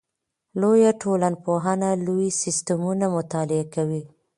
لویه ټولنپوهنه لوی سیستمونه مطالعه کوي.